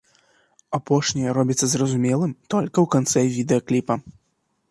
Апошняе робіцца зразумелым толькі ў канцы відэакліпа.